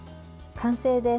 完成です。